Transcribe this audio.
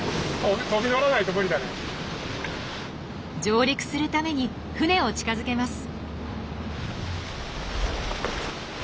上陸するために船を近づけます。